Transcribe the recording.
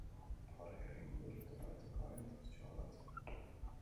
Horrek eragingo du sistema elektrikoaren tentsioa aldatzea.